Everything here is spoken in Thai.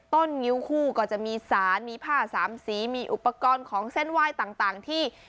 งิ้วคู่ก็จะมีสารมีผ้าสามสีมีอุปกรณ์ของเส้นไหว้ต่างที่